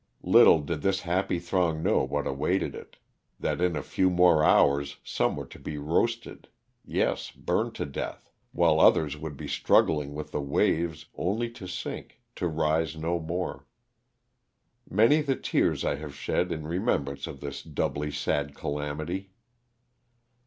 Little did this happy throng know what awaited it; that in a few more hours some were to be roasted — yes burned to death — while others would be struggling with the waves only to sink, to rise no more. Many the tears I have shed in remembrance of this doubly sad calamity.